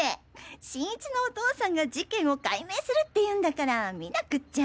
新一のお父さんが事件を解明するっていうんだから見なくっちゃ！